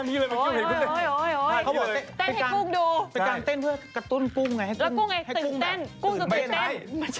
เดี๋ยวที่เต้นมาเมื่อกี้เลยเหรอ